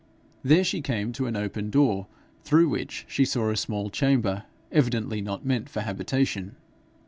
There she came to an open door, through which she saw a small chamber, evidently not meant for habitation.